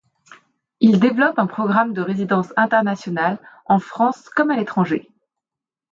Il développe un programme de résidences internationales en France comme à l’étranger.